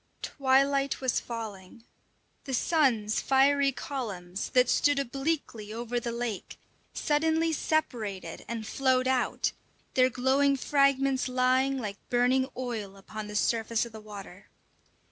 Twilight was falling. The sun's fiery columns, that stood obliquely over the lake, suddenly separated and flowed out, their glowing fragments lying like burning oil upon the surface of the water.